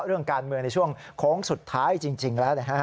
เรื่องการเมืองในช่วงโค้งสุดท้ายจริงแล้วนะฮะ